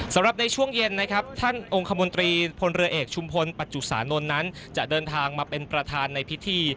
ในช่วงเย็นนะครับท่านองค์คมนตรีพลเรือเอกชุมพลปัจจุสานนท์นั้นจะเดินทางมาเป็นประธานในพิธี